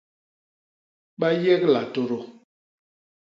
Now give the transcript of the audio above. Bayégla tôdô.